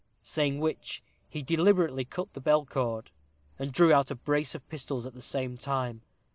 Saying which, he deliberately cut the bell cord, and drew out a brace of pistols at the same time.